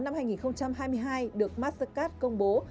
năm hai nghìn hai mươi hai được mastercard công bố